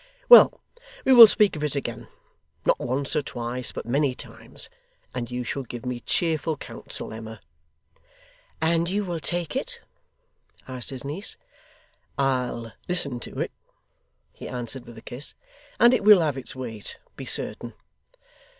Well, we will speak of it again not once or twice, but many times; and you shall give me cheerful counsel, Emma.' 'And you will take it?' asked his niece. 'I'll listen to it,' he answered, with a kiss, 'and it will have its weight, be certain.